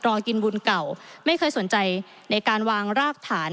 กินบุญเก่าไม่เคยสนใจในการวางรากฐาน